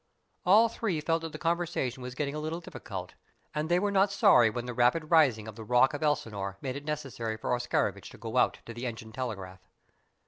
All three felt that the conversation was getting a little difficult, and they were not sorry when the rapid rising of the rock of Elsinore made it necessary for Oscarovitch to go out to the engine telegraph.